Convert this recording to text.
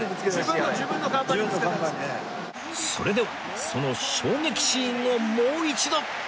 それではその衝撃シーンをもう一度！